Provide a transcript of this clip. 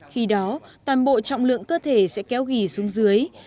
khi đó toàn bộ trọng lượng cơ thể sẽ kéo gỉ xuống dưới